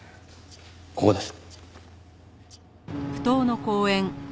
ここです。